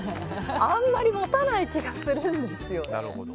あまり持たない気がするんですよね。